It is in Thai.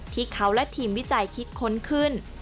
ที่เขาและทีมวิจัยคิดค้นขึ้น